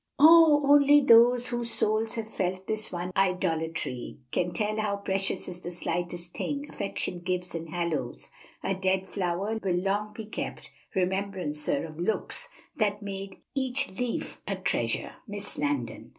"Oh! only those Whose souls have felt this one idolatry, Can tell how precious is the slightest thing Affection gives and hallows! A dead flower Will long be kept, remembrancer of looks That made each leaf a treasure." Miss Landon.